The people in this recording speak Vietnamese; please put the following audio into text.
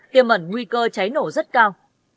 tiềm ẩn nguy cơ cháy nổ rất cao